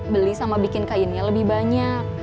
beli sama bikin kainnya lebih banyak